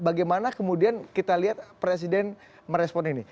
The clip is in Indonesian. bagaimana kemudian kita lihat presiden merespon ini